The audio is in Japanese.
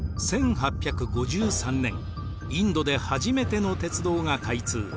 １８５３年インドで初めての鉄道が開通。